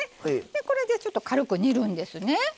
これでちょっと軽く煮るんですね。